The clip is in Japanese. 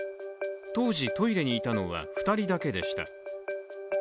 当時、トイレにいたのは２人だけでした。